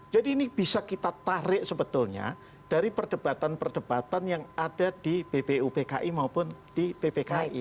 jadi ini bisa kita tarik sebetulnya dari perdebatan perdebatan yang ada di bbu pki maupun di ppki